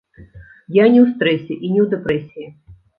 Я не ў стрэсе і не ў дэпрэсіі.